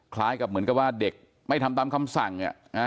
คล้ายกับเหมือนกับว่าเด็กไม่ทำตามคำสั่ง